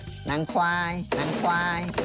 นางควายนางควาย